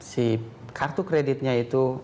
si kartu kreditnya itu